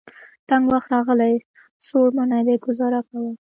تنګ وخت راغلی. څوړ منی دی ګذاره کوه.